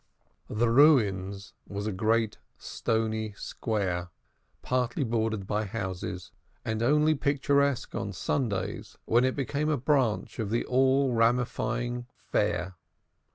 "The Ruins" was a great stony square, partly bordered by houses, and only picturesque on Sundays when it became a branch of the all ramifying Fair.